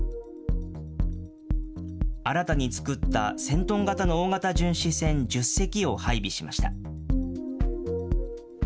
新たに造った１０００トン型の大型巡視船１０隻を配備しました。